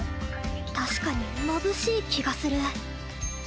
確かにまぶしい気がする。